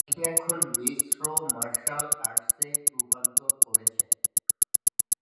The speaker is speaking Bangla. তিনি এখন মিশ্র মার্শাল আর্টসে রূপান্তর করেছেন।